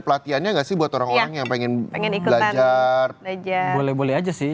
pelatihannya nggak sih buat orang orang yang pengen belajar boleh boleh aja sih